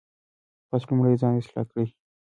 پس لومړی ځان اصلاح کړئ.